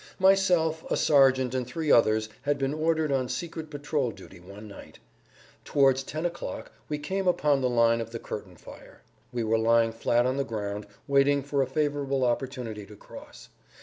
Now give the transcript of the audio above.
Myself, a sergeant, and three others had been ordered on secret patrol duty one night. Towards ten o'clock we came upon the line of the curtain fire. We were lying flat on the ground, waiting for a favorable opportunity to cross.